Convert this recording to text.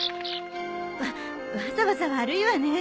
わわざわざ悪いわね。